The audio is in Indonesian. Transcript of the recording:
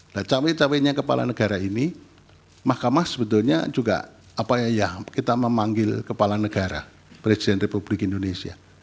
nah cawe cawenya kepala negara ini mahkamah sebetulnya juga apa ya kita memanggil kepala negara presiden republik indonesia